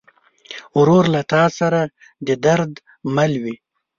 ورور له تا سره د درد مل وي.